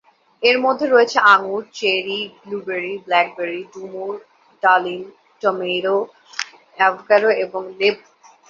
এর মধ্যে রয়েছে আঙ্গুর, চেরি, ব্লুবেরি, ব্ল্যাকবেরি, ডুমুর, ডালিম, টমেটো, অ্যাভোকাডো এবং লেবু।